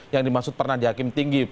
yang dimaksud pernah di hakim tinggi